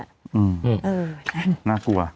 อืมน่ากลัว